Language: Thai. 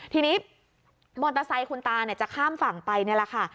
ทีนี้มอเตอร์ไซค์คุณตาจะข้ามฝั่งไปนี่แหละค่ะ